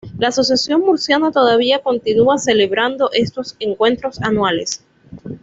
La Asociación Murciana todavía continúa celebrando estos encuentros anuales.